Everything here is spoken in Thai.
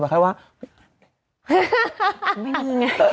ไม่มีไง